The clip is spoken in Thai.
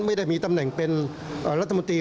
ไม่ได้มีตำแหน่งเป็นรัฐมนตรี